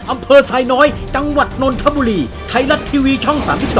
อำเภอทรายน้อยจังหวัดนนทบุรีไทยรัฐทีวีช่อง๓๒